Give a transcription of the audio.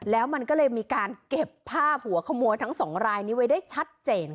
แล้วมันก็เลยมีการเก็บภาพหัวขโมยทั้งสองรายนี้ไว้ได้ชัดเจน